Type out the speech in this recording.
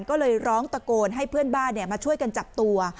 ก็เลยร้องตะโกนให้เพื่อนบ้านมาช่วยกันจับตัว